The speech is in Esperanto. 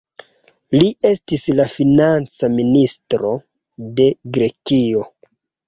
Li estis la Financa Ministro de Grekio.